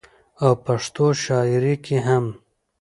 او پښتو شاعرۍ کې هم